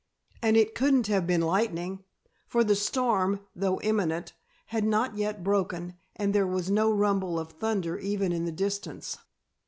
And it couldn't have been lightning, for the storm, though imminent, had not yet broken and there was no rumble of thunder even in the distance.